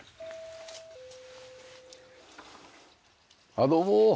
あっどうも。